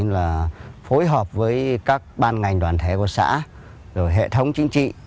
và đồng thời cũng đã đoàn kết tích cực tham gia tham mưu cho đảng ủy